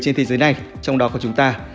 trên thế giới này trong đó có chúng ta